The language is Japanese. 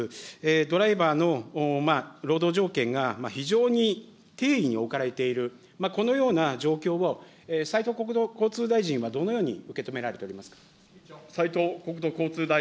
ドライバーの労働条件が非常に低位に置かれている、このような状況を、斉藤国土交通大臣はどのように受け止められておりますか。